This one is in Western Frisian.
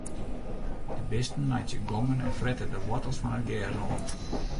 De bisten meitsje gongen en frette de woartels fan it gers oan.